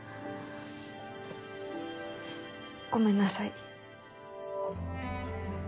ごめんなさい。